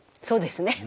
そうですね。